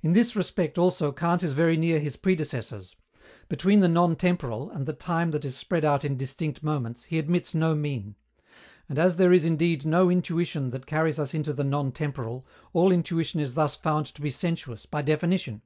In this respect, also, Kant is very near his predecessors. Between the non temporal, and the time that is spread out in distinct moments, he admits no mean. And as there is indeed no intuition that carries us into the non temporal, all intuition is thus found to be sensuous, by definition.